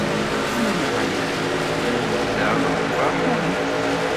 Ula ma ɛyant, llant daɣ feṛḥent.